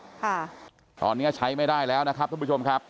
ค่ะตอนนี้ใช้ไม่ได้แล้วนะครับท่านผู้ชมครับ